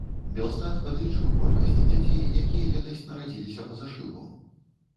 Белстат падлічыў колькасць дзяцей, якія летась нарадзіліся па-за шлюбам.